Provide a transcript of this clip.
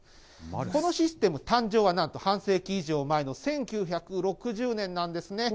このシステム、誕生はなんと半世紀以上前の１９６０年なんですね。